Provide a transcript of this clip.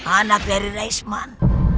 anak dari raisman